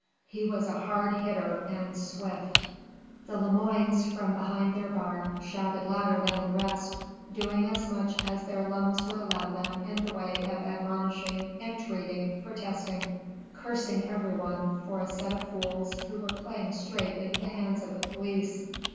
He was a hard hitter and swift. The Lemoines from behind their bar shouted louder than the rest, doing as much as their lungs would allow them in the way of admonishing, entreating, protesting cursing every one for a set of fools who were playing straight into the hands of the police.